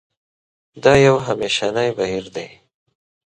دا یو همېشنی بهیر دی.